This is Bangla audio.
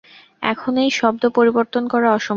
এখন ঐ শব্দ পরিবর্তন করা অসম্ভব।